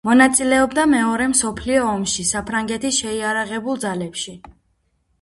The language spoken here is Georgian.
მონაწილეობდა მეორე მსოფლიო ომში საფრანგეთის შეიარაღებულ ძალებში.